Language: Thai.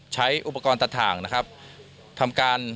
ใช้อุปกรณ์ตัดถ่างนะครับทำการ